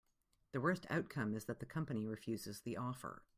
The worst outcome is that the company refuses the offer.